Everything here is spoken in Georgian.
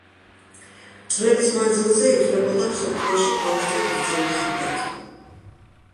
წლების მანძილზე ითვლებოდა მსოფლიოში ყველაზე გრძელ ხიდად.